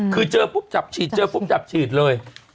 คือเจอปุ๊บจับฉีดเจอปุ๊บจับฉีดเลย